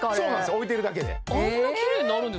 置いてるだけであんな